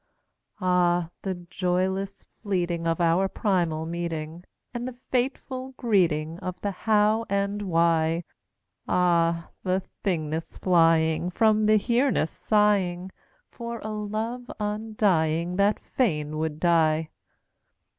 Ah, the joyless fleeting Of our primal meeting, And the fateful greeting Of the How and Why! Ah, the Thingness flying From the Hereness, sighing For a love undying That fain would die!